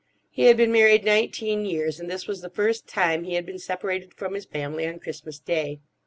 He had been married nineteen years, and this was the first time he had been separated from his family on Christmas Day.